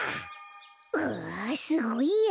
うわすごいや。